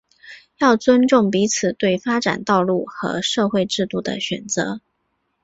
要尊重彼此对发展道路和社会制度的选择